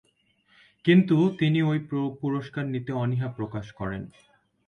কিন্তু তিনি ঐ পুরস্কার নিতে অনীহা প্রকাশ করেন।